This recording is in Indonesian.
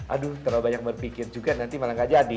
aduh terlalu banyak berpikir juga nanti malah gak jadi